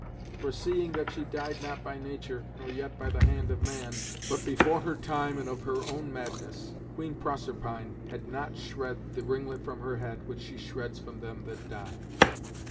For, seeing that she died not by nature, nor yet by the hand of man, but before her time and of her own madness, Queen Proserpine had not shred the ringlet from her head which she shreds from them that die.